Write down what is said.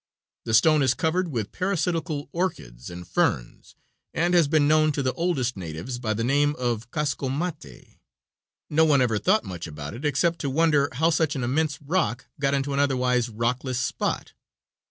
The stone is covered with parasitical orchids and ferns and has been known to the oldest natives by the name of Cascomate. No one ever thought much about it except to wonder how such an immense rock got into an otherwise rockless spot.